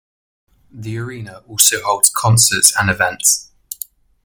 The arena also holds concerts and events.